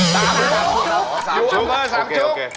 ต๊ะสามชุกครับอ๋อสามชุกครับโอเคอยู่อำเภอสามชุก